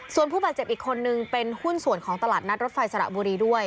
ส่วนผู้บาดเจ็บอีกคนนึงเป็นหุ้นส่วนของตลาดนัดรถไฟสระบุรีด้วย